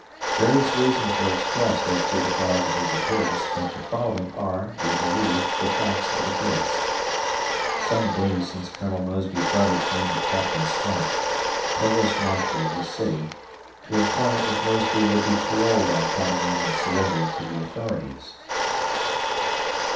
Various reasons were expressed as to the cause of his appearance, but the following are, we believe, the facts of the case. Some days since Col. Mosby's brother came to Captain Swank, Provost Marshal of this city, to inquire if Mosby would be paroled on coming in and surrendering to the authorities.